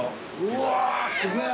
うわすげえ。